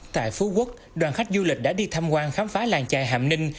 tại phú quốc đoàn khách du lịch đã đi thăm quan khám phá làng chài hạm ninh